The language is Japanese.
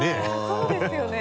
そうですよね。